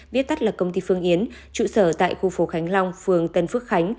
viết tắt là công ty phương yến trụ sở tại khu phố khánh long phường tân phước khánh